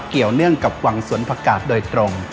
เกี่ยวเนื่องกับวังสวนประกาศโดยตรง